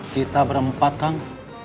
kita berempat kang